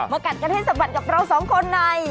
กัดกันให้สะบัดกับเราสองคนใน